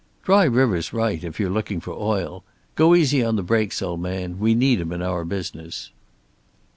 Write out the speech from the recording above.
"Dry River's right, if you're looking for oil! Go easy on the brakes, old man. We need 'em in our business."